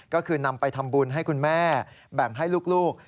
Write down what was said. ก็คือนำไปทำบุญให้คุณแม่แบ่งให้ลูก